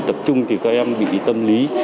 tập trung thì các em bị tâm lý